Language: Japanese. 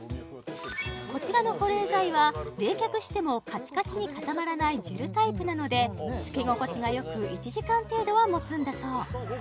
こちらの保冷剤は冷却してもカチカチに固まらないジェルタイプなので着け心地がよく１時間程度はもつんだそう